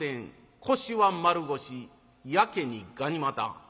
腰は丸腰やけにがに股。